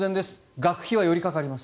学費はよりかかります。